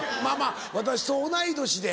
私と同い年で。